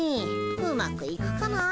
うまくいくかなあ。